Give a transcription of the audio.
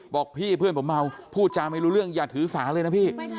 บอกพี่เพื่อนผมเมาพูดจาไม่รู้เรื่องอย่าถือสาเลยนะพี่